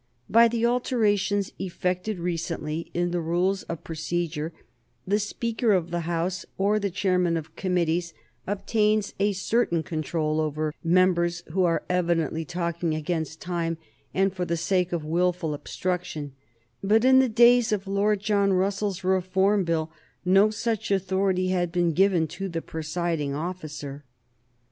By the alterations effected recently in the rules of procedure the Speaker of the House, or the Chairman of Committees, obtains a certain control over members who are evidently talking against time and for the sake of wilful obstruction; but in the days of Lord John Russell's Reform Bill no such authority had been given to the presiding officer.